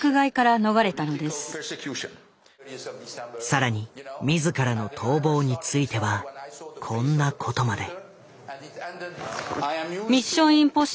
更に自らの逃亡についてはこんなことまで。